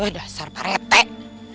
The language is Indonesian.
udah sarap retek